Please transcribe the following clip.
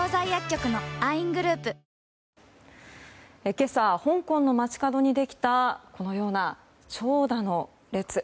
今朝、香港の街角にできたこのような長蛇の列。